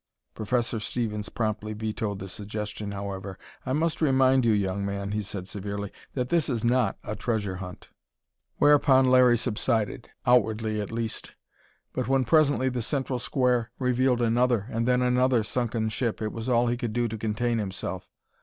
Professor Stevens promptly vetoed the suggestion, however. "I must remind you, young man," he said severely, "that this is not a treasure hunt." Whereupon Larry subsided; outwardly, at least. But when presently the central square revealed another and then another sunken ship, it was all he could do to contain himself.